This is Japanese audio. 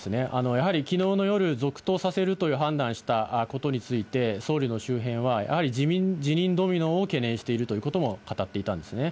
やはりきのうの夜、続投させるという判断をしたことについて、総理の周辺は、やはり辞任ドミノを懸念しているということも語っていたんですね。